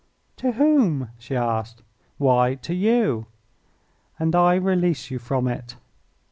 "To whom?" she asked. "Why, to you." "And I release you from it."